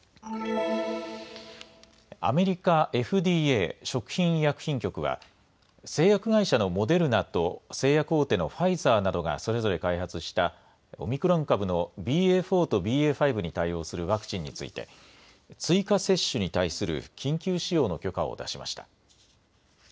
アメリカＦＤＡ・食品医薬品局は製薬会社のモデルナと製薬大手のファイザーなどがそれぞれ開発したオミクロン株のＢＡ．４とＢＡ．５に対応するワクチンについて追加接種に対する緊急使用の許可を出しました。